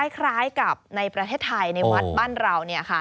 คล้ายกับในประเทศไทยในวัดบ้านเราเนี่ยค่ะ